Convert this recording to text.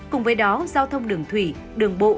cùng với đó giao thông đường thủy đường bộ